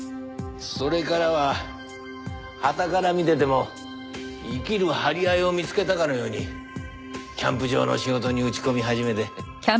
それからははたから見てても生きる張り合いを見つけたかのようにキャンプ場の仕事に打ち込み始めて。